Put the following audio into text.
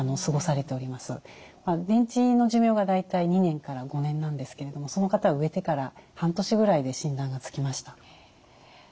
電池の寿命が大体２年から５年なんですけれどもその方は植えてから半年ぐらいで診断がつきました。